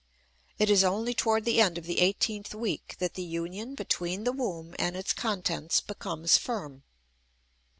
It is only toward the end of the eighteenth week that the union between the womb and its contents becomes firm.